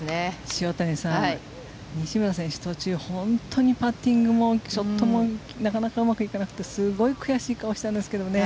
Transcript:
塩谷さん西村選手、途中で本当にパッティングもショットもなかなかうまくいかなくてすごい悔しい顔をしたんですけどね。